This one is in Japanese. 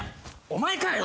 お前かよ。